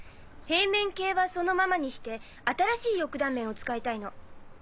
平面形はそのままにして新しい翼断面を使いたいの。